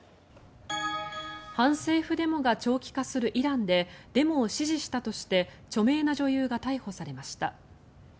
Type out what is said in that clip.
反政府デモが長期化するイランでデモを支持したとして著名な女優が逮捕されました。